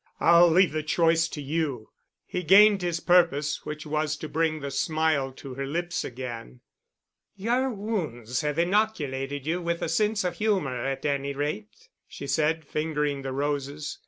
I'll leave the choice to you." He gained his purpose, which was to bring the smile to her lips again. "Your wounds have inoculated you with a sense of humor, at any rate," she said, fingering the roses.